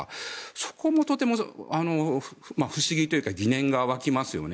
そこもとても不思議というか疑念が湧きますよね。